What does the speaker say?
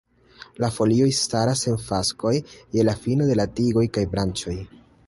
La folioj staras en faskoj je la fino de la tigoj kaj branĉoj.